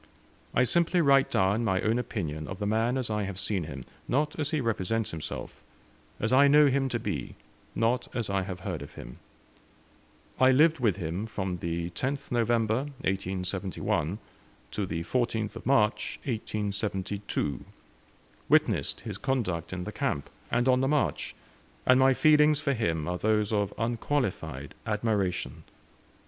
I simply write down my own opinion of the man as I have seen him, not as he represents himself; as I know him to be, not as I have heard of him. I lived with him from the 10th November, 1871, to the 14th March, 1872; witnessed his conduct in the camp, and on the march, and my feelings for him are those of unqualified admiration.